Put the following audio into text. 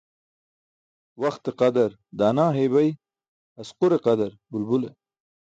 Waxte qadar daana hey bay asqur qadar bulbule